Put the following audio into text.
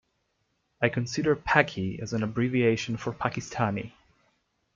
I consider Paki as an abbreviation for Pakistani.